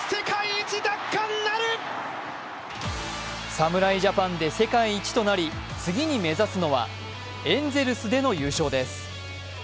侍ジャパンで世界一となり、次に目指すのはエンゼルスでの優勝です。